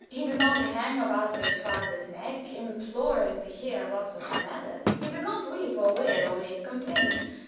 He did not hang about his father's neck, imploring to hear what was the matter; he did not weep or wail, or make complaints.